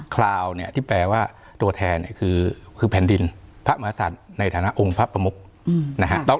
คราวที่แปลว่าตัวแทนคือแผ่นดินพระมหาศาจในฐานะองค์พระปโมค